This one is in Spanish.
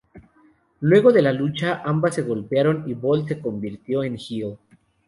Luego de la lucha ambas se golpearon y Bolt se convirtió en heel.